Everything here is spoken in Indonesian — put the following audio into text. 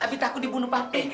abi takut dibunuh pangki